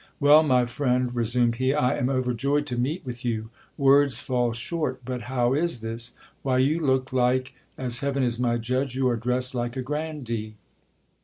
* Well, my friend, resumed he, I am overjoyed to meet with you. Words fall short But how is this? Why, you look like — as heaven is my judge, you are dressed like a grandee